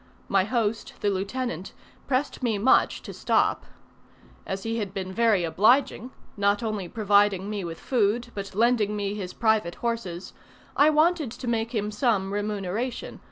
My host, the lieutenant, pressed me much to stop. As he had been very obliging not only providing me with food, but lending me his private horses I wanted to make him some remuneration.